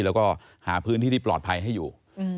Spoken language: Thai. แล้วก็หาพื้นที่ที่ปลอดภัยให้อยู่